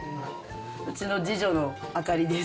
うちの次女の朱里です。